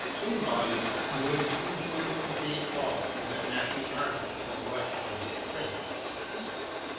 Two volumes would easily contain all that Matthew Arnold has left as a critic.